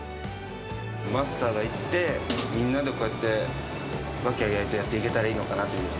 マスターがいて、みんなでこうやって、和気あいあいとやっていけたらいいのかなって。